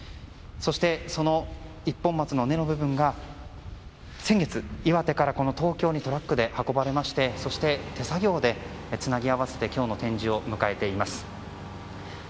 そして、その一本松の根の部分が先月、岩手から東京にトラックで運ばれまして手作業でつなぎ合わせて今日の展示を迎えています。